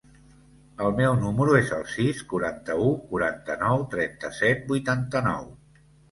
El meu número es el sis, quaranta-u, quaranta-nou, trenta-set, vuitanta-nou.